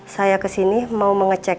saya kesini mau mengecek